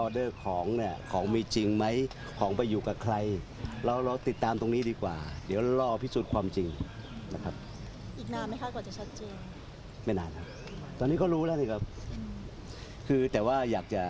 เดี๋ยวก็รู้ว่า